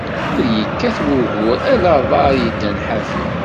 Ur ikkat wugur, ala aḍaṛ yeddan ḥafi.